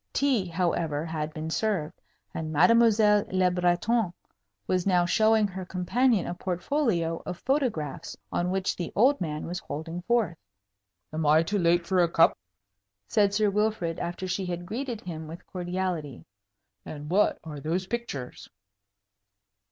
Tea, however, had been served, and Mademoiselle Le Breton was now showing her companion a portfolio of photographs, on which the old man was holding forth. "Am I too late for a cup?" said Sir Wilfrid, after she had greeted him with cordiality. "And what are those pictures?"